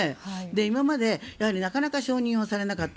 今までなかなか承認されなかった。